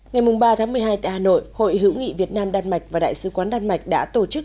ngày ba tháng một mươi hai tại hà nội hội hữu nghị việt nam đan mạch và đại sứ quán đan mạch đã tổ chức